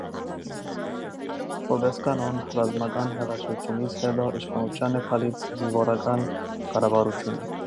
Որպես կանոն, ռազմական հեղաշրջումից հետո իշխանության է գալիս զինվորական կառավարությունը։